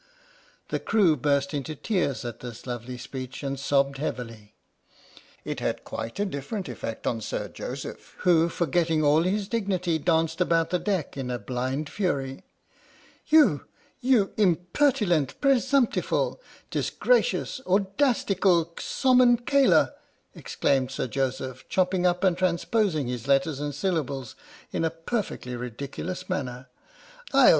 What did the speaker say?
The crew burst into tears at this lovely speech and sobbed heavily. It had quite a different effect on Sir Joseph who, forgetting all his dignity, danced about the deck in a blind fury. " You — you impertilent presumtiful, disgracious, audastical sommon cailor," exclaimed Sir Joseph, chopping up and transposing his letters and syl lables in a perfectly ridiculous manner, "I'll teach you to lall in fove with your daptain's caughter!